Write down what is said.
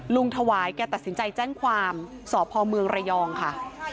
ถวายแกตัดสินใจแจ้งความสพเมืองระยองค่ะ